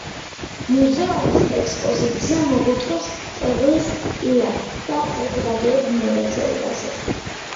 მუზეუმის ექსპოზიცია მოგვითხრობს მწერლის პირად და საზოგადოებრივ მოღვაწეობაზე.